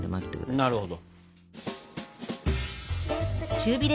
なるほど。